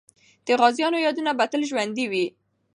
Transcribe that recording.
د غازیانو یادونه به تل ژوندۍ وي.